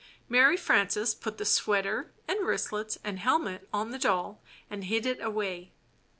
Mary Frances put the sweater and wristlets and helmet on the doll and hid it away.